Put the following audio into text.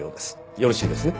よろしいですね？